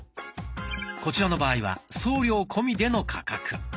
こちらの場合は送料込みでの価格。